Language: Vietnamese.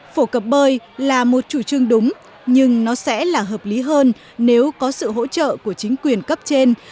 phổ cập bơi là một chủ trương đúng nhưng nó sẽ là hợp lý hơn nếu có sự hỗ trợ của chính quyền cấp trên